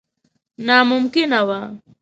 ناممکنه وه.